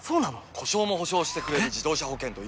故障も補償してくれる自動車保険といえば？